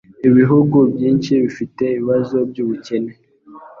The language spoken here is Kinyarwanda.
Ibihugu byinshi bifite ibibazo byubukene.